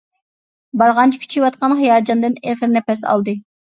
بارغانچە كۈچىيىۋاتقان ھاياجاندىن ئېغىر نەپەس ئالدى.